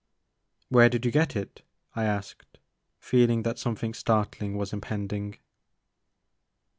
" Where did you get it ?" I asked, feeling that something startling was impending.